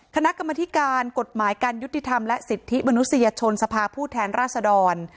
คณะกรรมธิการกฎหมายการยุติธรรมและสิทธิมนุษยชนสภาผู้แทนราษดร